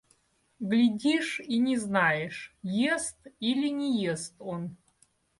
Глядишь и не знаешь: ест или не ест он.